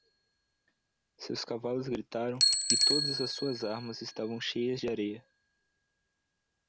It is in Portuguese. Seus cavalos gritaram? e todas as suas armas estavam cheias de areia.